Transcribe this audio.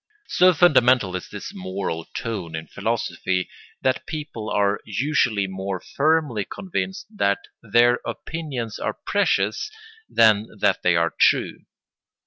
So fundamental is this moral tone in philosophy that people are usually more firmly convinced that their opinions are precious than that they are true.